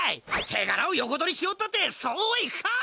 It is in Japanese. てがらを横取りしようったってそうはいくか！